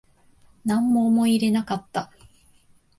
なんも思い入れなかった